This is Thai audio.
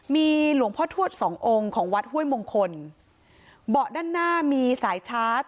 มีหลวงพ่อทวดสององค์ของวัดห้วยมงคลเบาะด้านหน้ามีสายชาร์จ